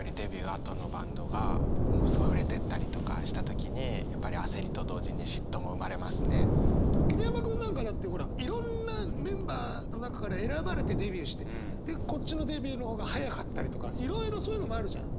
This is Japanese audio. あとのバンドがもうすごい売れてったりとかした時に桐山君なんかだってほらいろんなメンバーの中から選ばれてデビューしてでこっちのデビューの方が早かったりとかいろいろそういうのもあるじゃん。